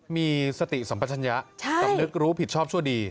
มีสติสัมปัชญะสำนึกรู้ผิดชอบชั่วดี